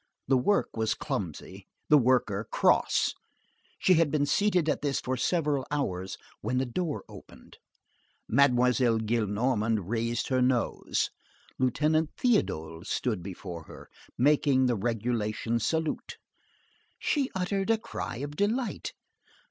The work was clumsy, the worker cross. She had been seated at this for several hours when the door opened. Mademoiselle Gillenormand raised her nose. Lieutenant Théodule stood before her, making the regulation salute. She uttered a cry of delight.